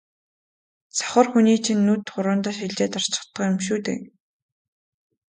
сохор хүний чинь нүд хуруундаа шилжээд орчихдог юм шүү дээ.